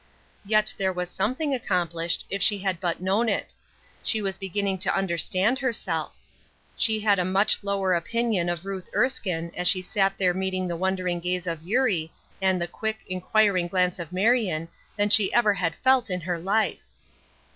Yet there was something accomplished, if she had but known it. She was beginning to understand herself; she had a much lower opinion of Ruth Erskine as she sat there meeting the wondering gaze of Eurie, and the quick, inquiring glance of Marion than she ever had felt in her life.